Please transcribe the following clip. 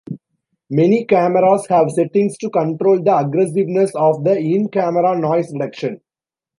Many cameras have settings to control the aggressiveness of the in-camera noise reduction.